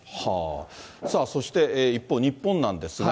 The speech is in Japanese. そして、一方日本なんですが。